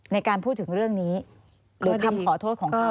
ในการพูดถึงเรื่องนี้หรือคำขอโทษของเขา